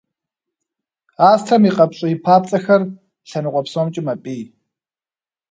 Астрэм и къапщӏий папцӏэхэр лъэныкъуэ псомкӏи мэпӏий.